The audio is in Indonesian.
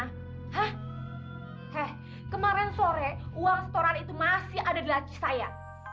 hah kemarin sore uang setoran itu masih ada di laci saya